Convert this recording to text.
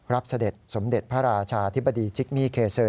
เสด็จสมเด็จพระราชาธิบดีจิกมี่เคเซอร์